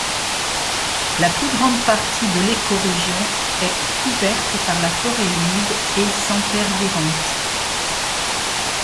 La plus grande partie de l'écorégion est couverte par la forêt humide et sempervirente.